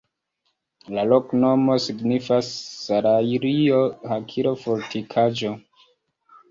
La loknomo signifas: salajro-hakilo-fortikaĵo.